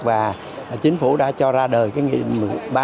và chính phủ đã cho ra đời cái nghị định một mươi ba